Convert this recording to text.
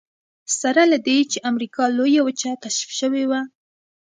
سره له دې چې امریکا لویه وچه کشف شوې وه.